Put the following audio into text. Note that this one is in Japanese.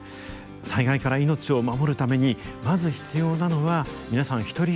災害から命を守るためにまず必要なのは皆さん一人一人の備えです。